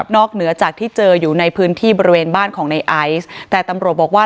เหนือจากที่เจออยู่ในพื้นที่บริเวณบ้านของในไอซ์แต่ตำรวจบอกว่า